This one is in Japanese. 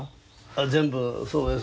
あ全部そうです。